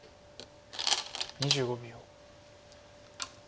２５秒。